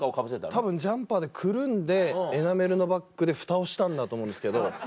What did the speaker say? たぶんジャンパーでくるんでエナメルのバッグでフタをしたんだと思うんですけど。